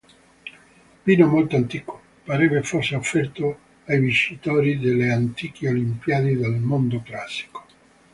Vino molto antico, parrebbe fosse offerto ai vincitori delle antichi olimpiadi del mondo classico.